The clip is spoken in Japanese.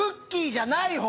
じゃない方。